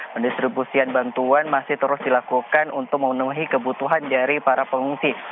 pendistribusian bantuan masih terus dilakukan untuk memenuhi kebutuhan dari para pengungsi